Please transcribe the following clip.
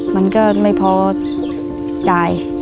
มันก็ไม่พอจ่าย